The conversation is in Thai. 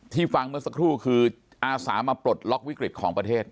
ฟังเมื่อสักครู่คืออาสามาปลดล็อกวิกฤตของประเทศ